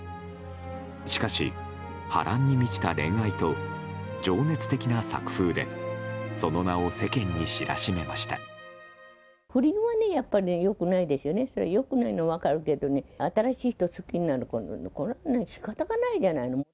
しかし、波乱に満ちた恋愛と情熱的な作風でその名を世間に知らしめました。